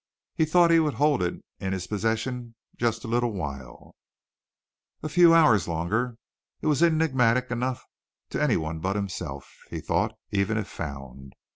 He thought he would hold it in his possession just a little while a few hours longer. It was enigmatic enough to anyone but himself, he thought, even if found.